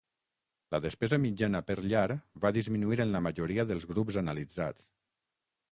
La despesa mitjana per llar va disminuir en la majoria dels grups analitzats.